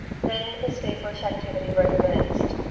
Then, his feverish activity recommenced.